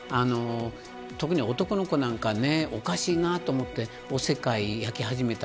特に男の子なんかはおかしいなと思っておせっかい焼き始めた。